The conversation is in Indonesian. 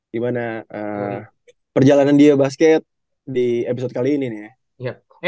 dimana perjalanan dia basket di episode kali ini nih ya